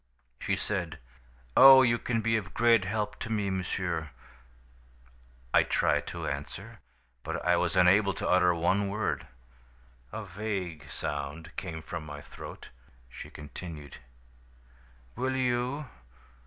"She said: "'Oh, you can be of great help to me, monsieur!' "I tried to answer, but I was unable to utter one word. A vague sound came from my throat. "She continued: "'Will you?